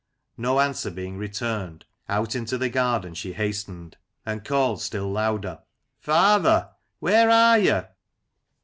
No answer being returned, out into the garden she hastened, and called still louder " Father ! where are you